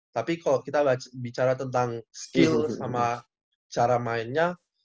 tapi kalau kita bicara tentang skill sama cara mainnya